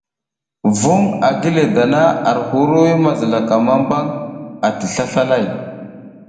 Vuŋ a gi le dana ar hirwuy ma zilaka mambang ati slaslalay.